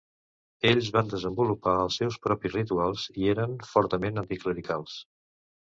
Ells van desenvolupar els seus propis rituals i eren fortament anticlericals.